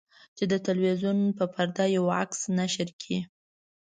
چې د تلویزیون په پرده یو عکس نشر کړي.